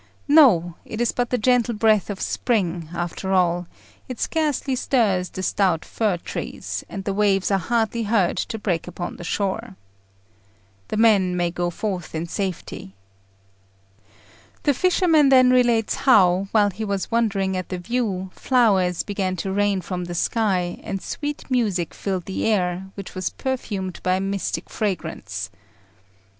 No; it is but the gentle breath of spring, after all; it scarcely stirs the stout fir trees, and the waves are hardly heard to break upon the shore. The men may go forth in safety. The fisherman then relates how, while he was wondering at the view, flowers began to rain from the sky, and sweet music filled the air, which was perfumed by a mystic fragrance.